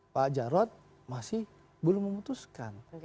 pak jarod masih belum memutuskan